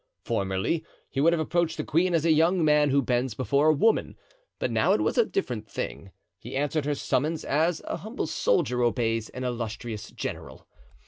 Formerly he would have approached the queen as a young man who bends before a woman; but now it was a different thing; he answered her summons as an humble soldier obeys an illustrious general.